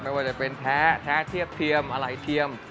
ไม่ว่าจะเป็นแพ้แท้เทียบเทียมอะไรเทียม